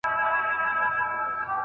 دوستان باید بې ځایه راټول نسي.